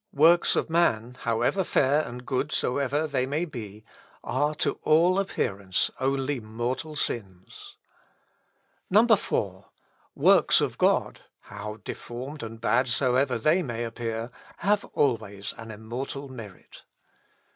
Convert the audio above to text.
"Works of man, how fair and good soever they may be, are, to all appearance, only mortal sins. 4. "Works of God, how deformed and bad soever they may appear, have always an immortal merit.